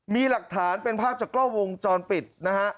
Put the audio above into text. มีหลักฐานเป็นภาพจากกล้องวงจรปิดนะฮะ